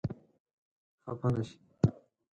خپه نه شې.